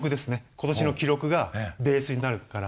ことしの記録がベースになるから。